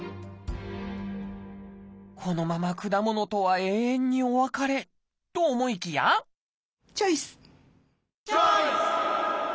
このまま果物とは永遠にお別れと思いきやチョイス！